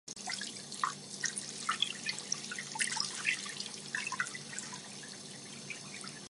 福建邵武人。